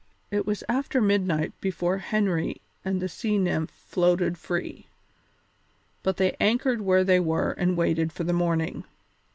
It was after midnight before the Henry and the Sea Nymph floated free, but they anchored where they were and waited for the morning.